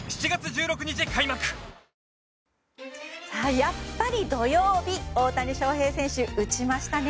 やっぱり、土曜日大谷翔平選手打ちましたね！